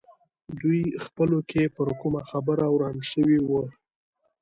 دوی خپلو کې پر کومه خبره وران شوي وو.